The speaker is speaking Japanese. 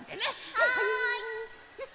はい！